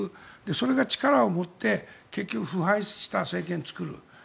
それが力を持って結局、腐敗した政権を作る。